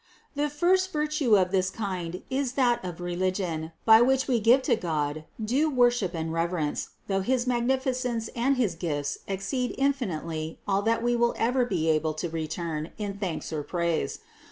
The first virtue of this kind is that of religion, by which we give to God due worship and rever ence, though his magnificence and his gifts exceed in finitely all that we will ever be able to return in thanks or praise.